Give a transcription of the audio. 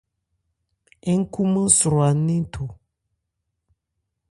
Ńkhumán swra nnɛn tho.